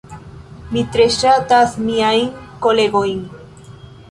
Mi tre ŝatas miajn kolegojn